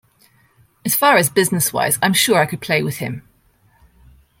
As far as business-wise, I'm sure I could play with him.